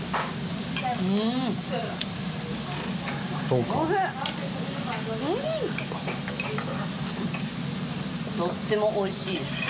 とってもおいしいです。